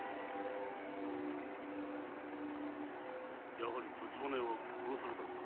やはり橘屋は殺されたのか。